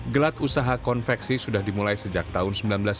gelat usaha konveksi sudah dimulai sejak tahun seribu sembilan ratus sembilan puluh